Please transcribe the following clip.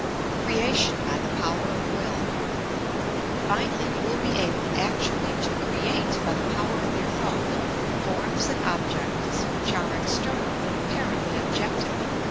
CREATION BY THE POWER OP WIU. Finally you will be able actually to create by the power of your thought, forms and objects which are ex ternal and apparently objective.